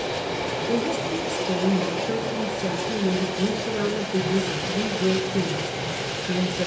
The history of Spain in the thirteenth century may be grouped round the figures of three great kings, James I.